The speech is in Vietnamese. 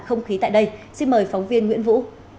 không khí tại đây xin mời phóng viên nguyễn vũ